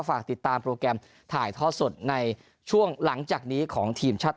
ฝากติดตามโปรแกรมถ่ายทอดสดในช่วงหลังจากนี้ของทีมชาติ